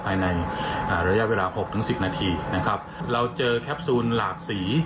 ภายในระยะเวลาหกถึงสิบนาทีนะครับเราเจอแคปซูลหลากสี